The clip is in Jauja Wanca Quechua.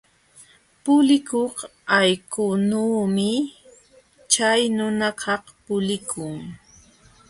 Pulikuq allqunuumi chay nunakaq pulikun.